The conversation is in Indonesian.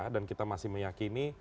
dan kita masih meyakini